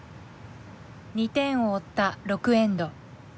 ２点を追った６エンド。